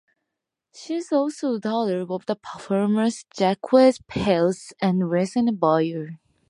She is also the daughter of performers Jacques Pills and Lucienne Boyer.